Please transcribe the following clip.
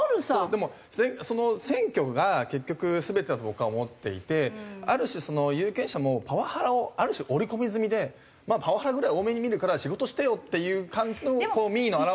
でも選挙が結局全てだと僕は思っていてある種有権者もパワハラをある種織り込み済みでまあパワハラぐらい大目に見るから仕事してよっていう感じの民意の表れ。